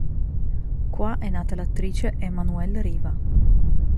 Qua è nata l'attrice Emmanuelle Riva.